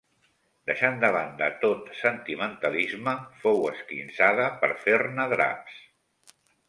Deixant de banda tot sentimentalisme, fou esquinçada per fer-ne draps.